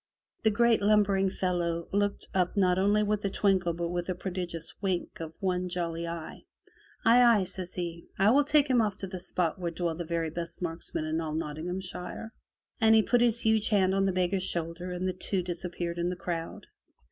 '* The great lumbering fellow looked up not only with a twinkle but with a prodigious wink of one jolly eye. "Aye, aye," says he, "I will take him off to the spot where dwell the very best marksmen in all Nottinghamshire!" And he put his huge hand on the beggar's shoulder and the two dis appeared in the crowd.